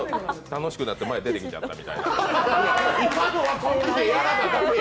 楽しくなって前に出てきちゃったみたいなんで。